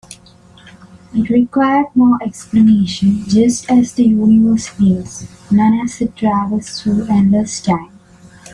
It required no explanation, just as the universe needs none as it travels through endless time.